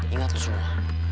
ingat itu semua